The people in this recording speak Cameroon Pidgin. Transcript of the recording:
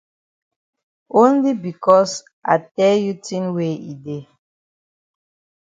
Only becos I di tell you tin wey e dey.